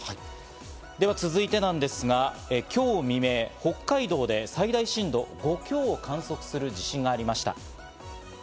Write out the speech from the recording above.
では続いてなんですが、今日未明、北海道で最大震度５強を観測する地震がありました。